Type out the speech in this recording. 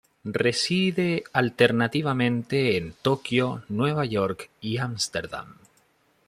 Reside alternativamente en Tokio, Nueva York y Ámsterdam.